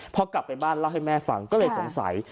พอกลับไปบ้านเล่าให้แม่ฟังก็เลยสงสัย